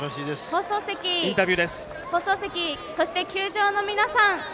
放送席、そして、球場の皆さん